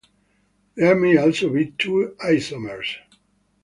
There may also be two isomers.